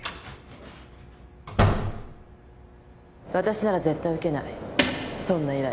わたしなら絶対受けないそんな依頼。